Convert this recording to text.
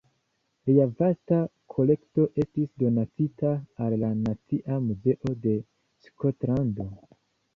Lia vasta kolekto estis donacita al la Nacia Muzeo de Skotlando.